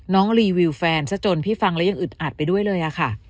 รีวิวแฟนซะจนพี่ฟังแล้วยังอึดอัดไปด้วยเลยอะค่ะ